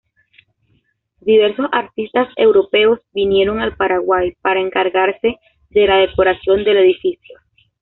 Diversos artistas europeos vinieron al Paraguay para encargarse de la decoración del edificio.